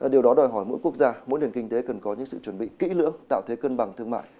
điều đó đòi hỏi mỗi quốc gia mỗi nền kinh tế cần có những sự chuẩn bị kỹ lưỡng tạo thế cân bằng thương mại